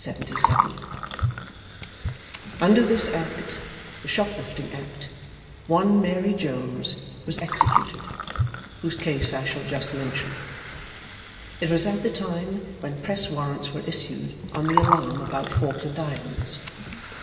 'Under this act,' the Shop lifting Act, 'one Mary Jones was executed, whose case I shall just mention; it was at the time when press warrants were issued, on the alarm about Falkland Islands.